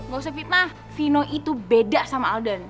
gak usah fitnah vino itu beda sama alden